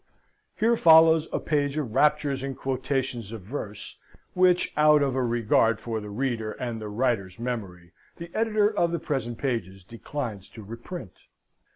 Here follows a page of raptures and quotations of verse, which, out of a regard for the reader, and the writer's memory, the editor of the present pages declines to reprint.